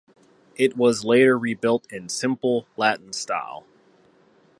It was later rebuilt in simple Latin style.